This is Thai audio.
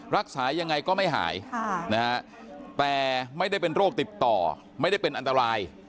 รักษายังไงก็ไม่หายแต่ไม่ได้เป็นโรคติดต่อไม่ได้เป็นอันตราย